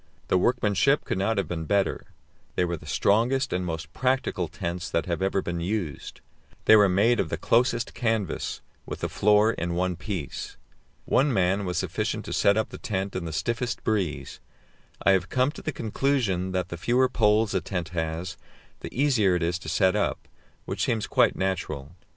The workmanship could not have been better; they were the strongest and most practical tents that have ever been used. They were made of the closest canvas, with the floor in one piece. One man was sufficient to set up the tent in the stiffest breeze; I have come to the conclusion that the fewer poles a tent has, the easier it is to set up, which seems quite natural.